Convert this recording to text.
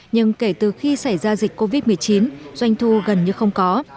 nhưng kể từ khi xảy ra dịch covid một mươi chín doanh thu gần như không có